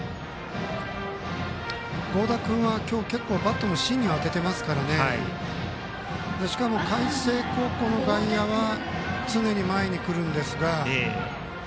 合田君は今日、結構バットの芯に当てていますからしかも、海星高校の外野は常に前に来るんですが。